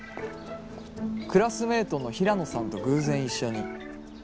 クラスメートのヒラノさんと偶然一緒に。